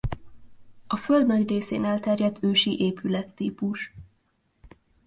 A Föld nagy részén elterjedt ősi épülettípus.